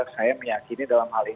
saya meyakini dalam hal ini